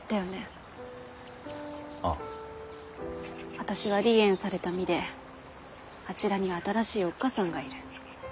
私は離縁された身であちらには新しいおっ母さんがいる。